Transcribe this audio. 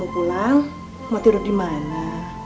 mau pulang mau tidur dimana